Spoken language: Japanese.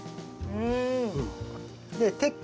うん。